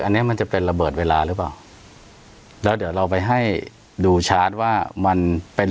อันนี้มันจะเป็นระเบิดเวลาหรือเปล่าแล้วเดี๋ยวเราไปให้ดูชาร์จว่ามันเป็น